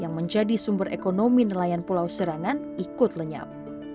yang menjadi sumber ekonomi nelayan pulau serangan ikut lenyap